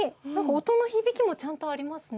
音の響きもちゃんとありますね。